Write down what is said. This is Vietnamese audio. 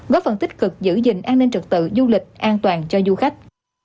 góp phần tích cực giữ gìn an ninh trật tự du lịch an toàn cho du khách